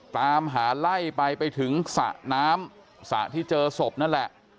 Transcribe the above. ตามหาไล่ไปไปถึงสระน้ำสระที่เจอศพนั่นแหละ